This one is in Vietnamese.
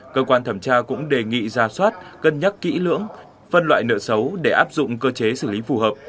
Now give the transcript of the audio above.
cơ quan thẩm tra cũng đề nghị ra soát cân nhắc kỹ lưỡng phân loại nợ xấu để áp dụng cơ chế xử lý phù hợp